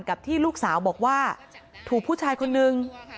กับที่ลูกสาวบอกว่าถูกผู้ชายคนนึง